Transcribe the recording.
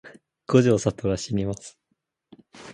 五条悟はしにます